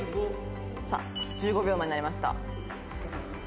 さあ１５秒前になりました。